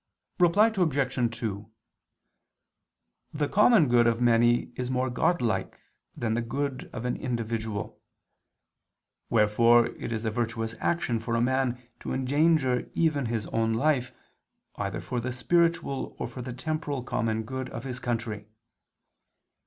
Reply Obj. 2: The common good of many is more Godlike than the good of an individual. Wherefore it is a virtuous action for a man to endanger even his own life, either for the spiritual or for the temporal common good of his country.